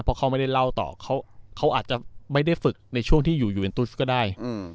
เพราะเขาไม่ได้เล่าต่อเขาอาจจะไม่ได้ฝึกในช่วงที่อยู่ยูเอ็นตุสก็ได้